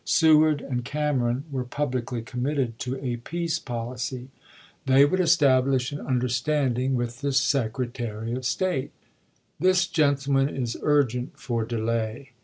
Seward and Cameron were publicly committed to a peace policy. They THE KEBEL GAME 399 would establish an understanding with the Secre ch. xxiv. tary of State : This gentleman is urgent for delay.